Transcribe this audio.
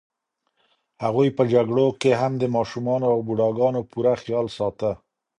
هغوی په جګړو کې هم د ماشومانو او بوډاګانو پوره خیال ساته.